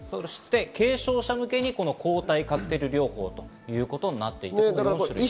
軽症者向けに抗体カクテル療法ということになっています。